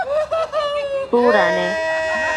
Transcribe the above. tsuda ne?